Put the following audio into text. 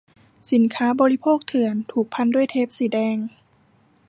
สินค้าบริโภคเถื่อน ถูกพันด้วยเทปสีแดง